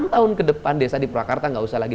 tahun ke depan desa di purwakarta tidak usah lagi